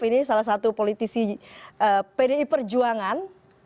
ini salah satu politisi pdi perjuangan